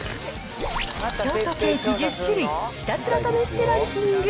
ショートケーキ１０種類、ひたすら試してランキング。